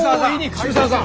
渋沢さん！